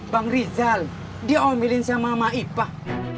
bang rizal dia omelin sama ipah